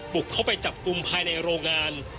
บุกเข้าไปจับกลุ่มภายในโรงงาน